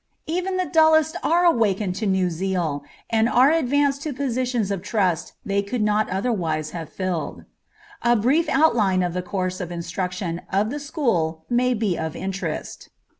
Even the dullest are awakened to new zeal, and are advanced to positions of trust they could not otherwise have filled. A brief outline of the course of instruction of the school may be of interest.